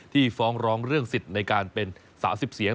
ที่ฟ้องร้องเรื่องสิทธิ์ในการเป็นสาวสิบเสียง